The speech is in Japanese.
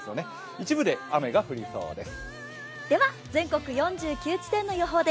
一部で雨が降りそうです。